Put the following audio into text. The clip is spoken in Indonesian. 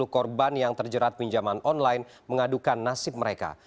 satu tiga ratus tiga puluh korban yang terjerat pinjaman online mengadukan nasib mereka